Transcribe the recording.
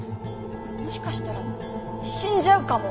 もしかしたら死んじゃうかも！